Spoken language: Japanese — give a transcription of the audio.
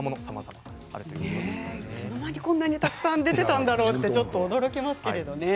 いつの間にこんなにたくさん出ていたんだろうと驚きますけれどもね。